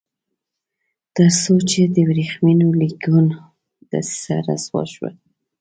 تر څو چې د ورېښمینو لیکونو دسیسه رسوا شوه.